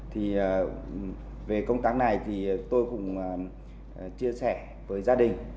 thì về công tác này thì tôi cũng chia sẻ với gia đình